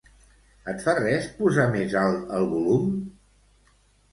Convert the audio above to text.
Et fa res posar més alt el volum?